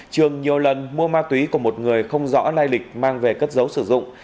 trường nhiều lần mua ma túy của một người không rõ lai lịch mang về cất dấu sử dụng